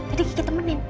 jadi gigi temenin